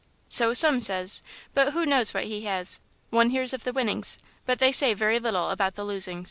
"So some says; but who knows what he has? One hears of the winnings, but they say very little about the losings."